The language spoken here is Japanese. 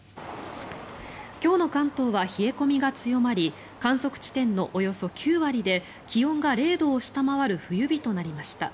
今日の関東は冷え込みが強まり観測地点のおよそ９割で気温が０度を下回る冬日となりました。